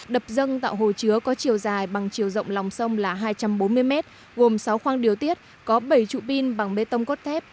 đập dâng tạo hồ chứa có chiều dài bằng chiều rộng lòng sông là hai trăm bốn mươi m gồm sáu khoang điều tiết có bảy trụ pin bằng bê tông cốt thép